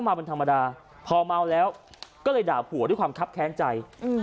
เมาเป็นธรรมดาพอเมาแล้วก็เลยด่าผัวด้วยความคับแค้นใจ